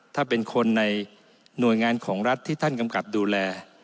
ถ้าเป็นคนในหน่วยงานของรัฐที่ท่านกำกับดูแล